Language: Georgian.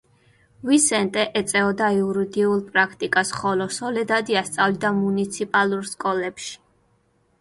ვისენტე ეწეოდა იურიდიულ პრაქტიკას, ხოლო სოლედადი ასწავლიდა მუნიციპალურ სკოლებში.